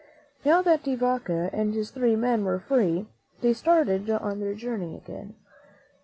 Now that De Vaca and his three men were free, they started on their journey again.